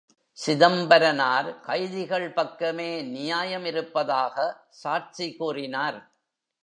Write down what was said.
சிதம்பரனார் கைதிகள் பக்கமே நியாயம் இருப்பதாக சாட்சி கூறினார்.